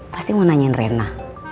pasti mau nanyain rena